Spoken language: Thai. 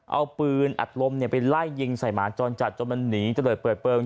เอาปืนอัดลมไปไล่ยิงใส่หมาจรจัดจนมันหนีเจริญเปิดเปลือง